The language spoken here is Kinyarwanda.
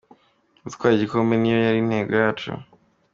Yagize ati "Gutwara igikombe niyo yari intego yacu.